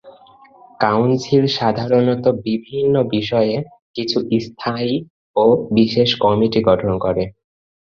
Council সাধারণত বিভিন্ন বিষয়ে কিছু স্থায়ী ও বিশেষ কমিটি গঠন করে।